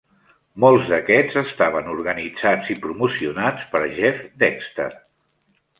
Molts d'aquests estaven organitzats i promocionats per Jeff Dexter.